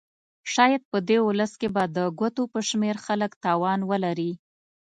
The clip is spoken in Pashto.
شاید په دې ولس کې به د ګوتو په شمېر خلک توان ولري.